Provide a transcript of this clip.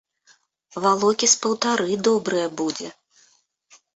Валокі з паўтары добрыя будзе.